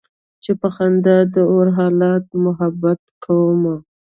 چې په خندا د اور حالاتو محبت کومه